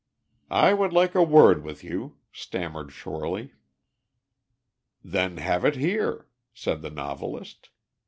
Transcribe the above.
"I would like a word with you," stammered Shorely. "Then, have it here," said the novelist.